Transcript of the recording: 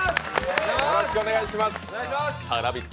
「ラヴィット！」